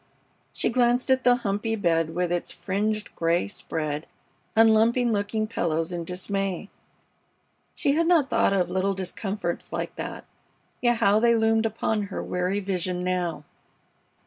She glanced at the humpy bed with its fringed gray spread and lumpy looking pillows in dismay. She had not thought of little discomforts like that, yet how they loomed upon her weary vision now!